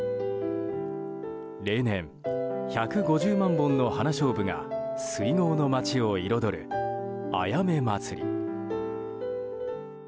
例年１５０万本のハナショウブが水郷の街を彩るあやめ祭り。